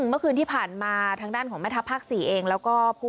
เมื่อคืนที่ผ่านมาทางด้านของแม่ทัพภาค๔เองแล้วก็ผู้